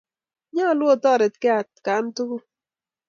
Nyalu otaretkey atkaan tukul